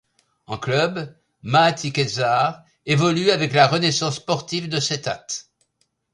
En club, Maati Khezzar évolue avec la Renaissance Sportive de Settat.